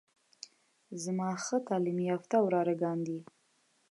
زما ښه تعليم يافته وراره ګان دي.